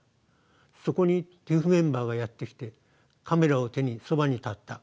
そこにＴＩＰＨメンバーがやって来てカメラを手にそばに立った。